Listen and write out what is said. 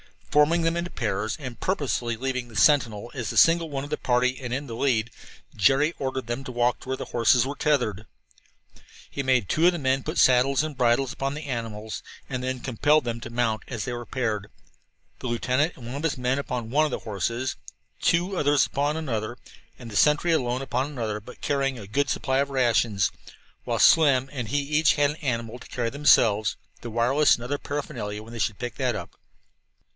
Forming them into pairs, and purposely leaving the sentinel as the single one of the party and in the lead, Jerry ordered them to walk toward where the horses were tethered. He made two of the men put saddles and bridles upon the animals, and then compelled them to mount as they were paired the lieutenant and one of his men upon one of the horses, two others upon another, the sentry alone upon another, but carrying a good supply of rations while Slim and he each had an animal to carry themselves, the wireless and other paraphernalia when they should pick that up.